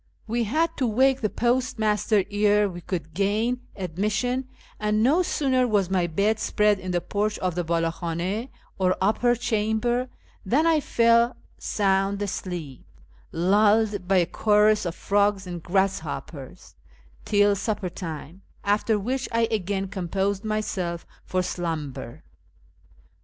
We had to wake the postmaster ere we could gain admission, and no sooner was my bed spread in the porch of the ''>Ald hhan6, or upper chamber, than I fell sound asleep, lulled by a chorus of frogs and grasshoppers, till supper time, after which I again com posed myself for slumber.